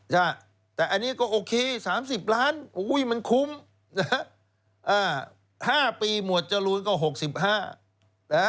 ใช่แต่อันนี้ก็โอเค๓๐ล้านอุ้ยมันคุ้ม๕ปีหมวดจรูนก็๖๕แล้ว